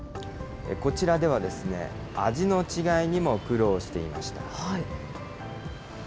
こちらでは、味の違いにも苦労していました。